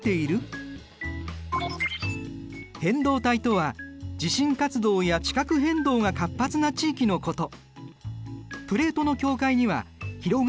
変動帯とは地震活動や地殻変動が活発な地域のこと。